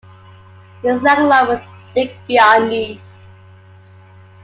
They sang along with Dick Biondi.